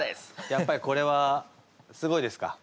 やっぱりこれはすごいですか？